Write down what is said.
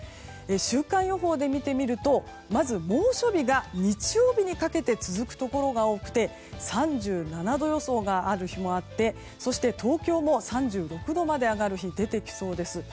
週間予報で見てみるとまず、猛暑日が日曜日にかけて続くところが多くて３７度予想がある日もあってそして東京も３６度まで上がる日が出てきそうです。